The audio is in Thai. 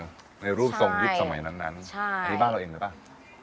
ใช่ในรูปทรงยุปสมัยนั้นนั้นอันนี้บ้านเราเองใช่ปะใช่